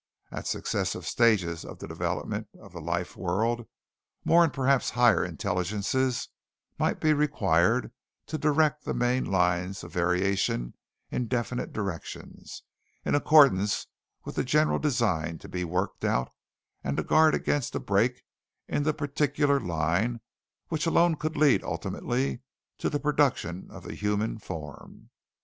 "At successive stages of the development of the life world, more and perhaps higher intelligences might be required to direct the main lines of variation in definite directions, in accordance with the general design to be worked out, and to guard against a break in the particular line, which alone could lead ultimately to the production of the human form.